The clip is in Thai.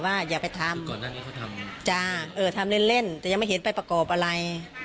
ว่าอย่าไปทำจ้ะเออทำเล่นแต่ยังไม่เห็นไปประกอบอะไร